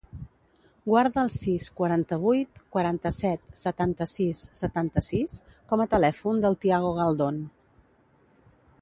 Guarda el sis, quaranta-vuit, quaranta-set, setanta-sis, setanta-sis com a telèfon del Thiago Galdon.